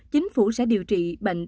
chính phủ sẽ điều trị bệnh